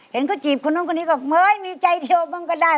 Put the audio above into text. เห็นเขาจีบคนนู้นคนนี้ก็เหมือนมีใจเดียวบ้างก็ได้